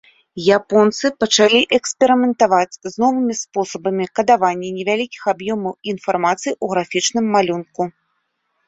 Японцы пачалі эксперыментаваць з новымі спосабамі кадавання невялікіх аб'ёмаў інфармацыі ў графічным малюнку.